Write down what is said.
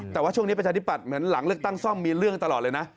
แต่ว่าช่วงนี้ประชาธิปัตย์เหมือนหลังเลือกตั้งซ่อมมีเรื่องตลอดเลยนะ